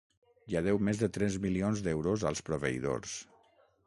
Ja deu més de tres milions d’euros als proveïdors.